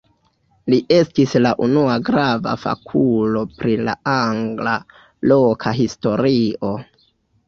Li estis la unua grava fakulo pri la angla loka historio.